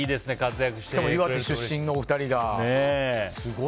しかも岩手出身のお二人が。